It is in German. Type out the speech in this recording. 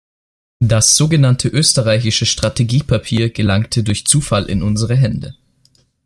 Das sogenannte österreichische Strategiepapier gelangte durch Zufall in unsere Hände.